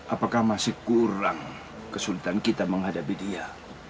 apakah masih kurang kesulitan kita menghadapi dia